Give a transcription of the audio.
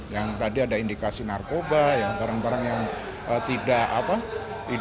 yang tadi ada indikasi narkoba barang barang yang tidak legal itu akan kedetek semua